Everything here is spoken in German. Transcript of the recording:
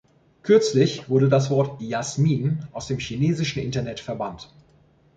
Kürzlich wurde das Wort "Jasmin" aus dem chinesischen Internet verbannt.